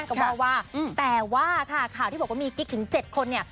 ก็ว่าแต่ว่าค่ะข่าวที่บอกว่ามีกิ๊กถึง๗คนเนี่ย